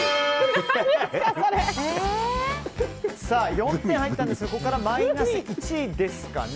４点入ったんですけどここからマイナス１ですかね。